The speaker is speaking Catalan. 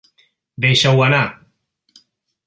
Deixa-ho anar.